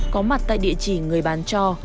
có mặt tại địa chỉ người bán cho